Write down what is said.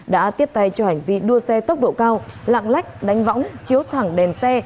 đã tiếp tay cho hành vi đua xe tốc độ cao lạng lách đánh võng chiếu thẳng đèn xe